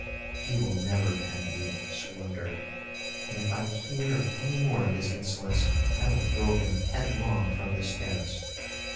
"He will never have you!" swore Dirk. "And if I hear of any more of his insolence, I will throw him headlong from this terrace."